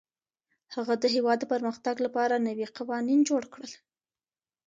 هغه د هېواد د پرمختګ لپاره نوي قوانین جوړ کړل.